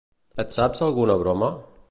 Et saps alguna broma?